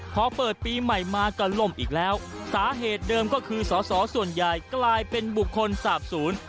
พอเปิดปีใหม่มาก็ล่มอีกแล้วสาเหตุเดิมก็คือสอสอส่วนใหญ่กลายเป็นบุคคลสาบศูนย์